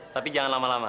tapi jangan lama lama